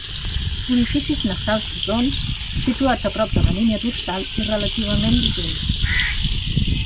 Orificis nasals rodons, situats a prop de la línia dorsal i relativament junts.